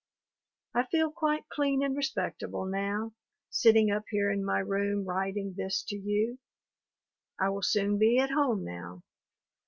I feel quite clean and respectable now, sitting up here in my room writing this to you. I will soon be at home now.